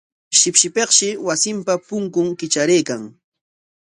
Shipshipikshi wasinpa punkun kitraraykan.